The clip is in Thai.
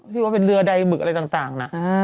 ที่ว่าเป็นเรือใดหมึกอะไรต่างนะ